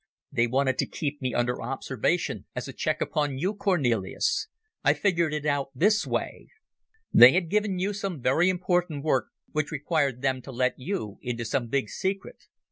They wanted to keep me under observation as a check upon you, Cornelis. I figured it out this way. They had given you some very important work which required them to let you into some big secret.